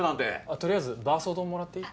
取りあえずバーソー丼もらっていい？